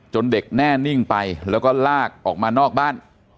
เด็กแน่นิ่งไปแล้วก็ลากออกมานอกบ้าน